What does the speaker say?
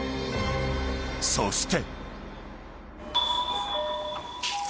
［そして］